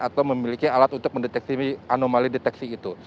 atau memiliki alat untuk mendeteksi anomali deteksi itu